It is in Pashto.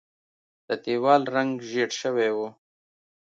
د دیوال رنګ ژیړ شوی و.